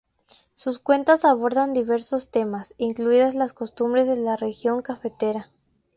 Sus cuentos abordan diversos temas, incluidas las costumbres de la región cafetera.